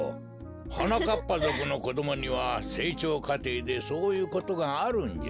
はなかっぱぞくのこどもにはせいちょうかていでそういうことがあるんじゃ。